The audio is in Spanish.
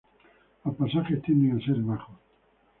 Los pasajes tienden a ser bajos.